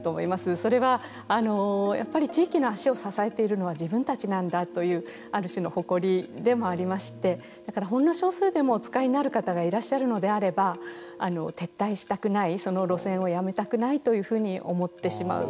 それはやっぱり地域の足を支えているのは自分たちなんだというある種の誇りでもありましてほんの少数でもお使いになる方がいらっしゃるのであれば撤退したくないその路線をそれで赤字が増えると。